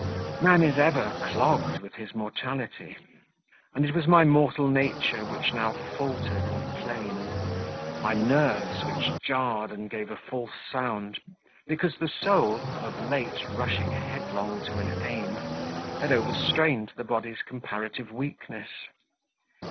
Man is ever clogged with his mortality, and it was my mortal nature which now faltered and plained; my nerves, which jarred and gave a false sound, because the soul, of late rushing headlong to an aim, had overstrained the body's comparative weakness.